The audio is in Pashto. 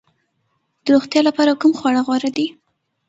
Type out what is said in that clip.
د روغتیا لپاره کوم خواړه غوره دي؟